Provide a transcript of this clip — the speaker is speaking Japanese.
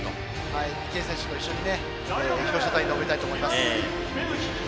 池江選手と一緒に表彰台に上りたいと思います。